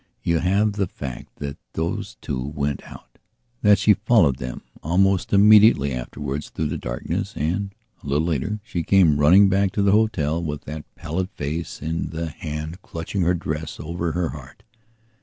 You have the fact that those two went out, that she followed them almost immediately afterwards through the darkness and, a little later, she came running back to the hotel with that pallid face and the hand clutching her dress over her heart.